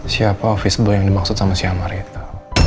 siapa office boy yang dimaksud sama si amar itu